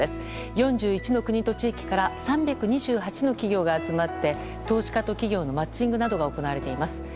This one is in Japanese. ４１の国と地域から３２８の企業が集まって投資家と企業のマッチングなどが行われています。